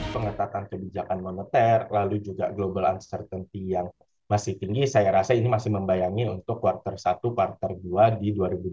pengetatan kebijakan moneter lalu juga global uncertainty yang masih tinggi saya rasa ini masih membayangi untuk quarter satu kuartal dua di dua ribu dua puluh